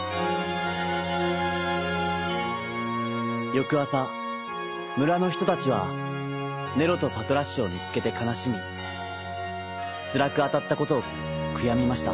よくあさむらのひとたちはネロとパトラッシュをみつけてかなしみつらくあたったことをくやみました。